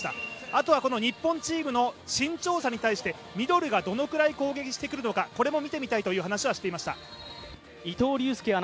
あとは日本チームの身長差に対してミドルがどれぐらい攻撃してくるのかこれも見てみたいという話をしていました。